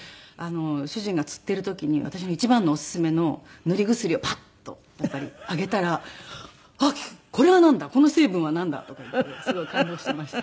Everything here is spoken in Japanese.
主人がつっている時に私の一番のオススメの塗り薬をパッとやっぱりあげたら「あっこれはなんだ？」「この成分はなんだ？」とか言ってすごい感動していました。